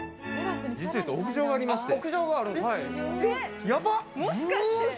屋上がありまして。